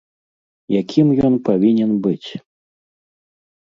Якім ён павінен быць?